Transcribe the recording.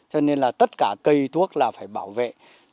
cho nên là tất cả cây thuốc là phải bảo vệ